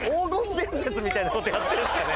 みたいなことやってるんですかね？